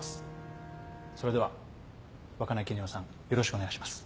それでは若菜絹代さんよろしくお願いします。